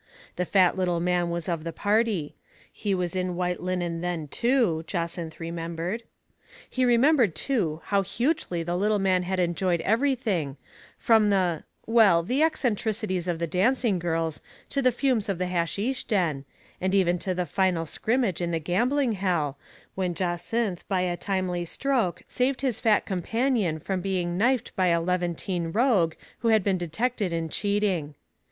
The fat little man was of the party ; he was in white then, too, Jacynth remembered. He remembered, too, how hugely the little man had enjoyed every thing, from the — well, the eccentricities of the dancing girls to the fumes in the hasheesh den, and even to the final scrimmage in the gambling hell, when Jacynth by a timely stroke saved his fat companion from being knifed by a Levantine rogue who had been detected in cheating.